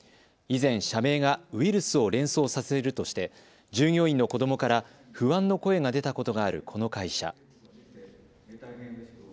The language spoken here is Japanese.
以前、社名がウイルスを連想させるとして従業員の子どもから不安の声が出たことがあるこの会社。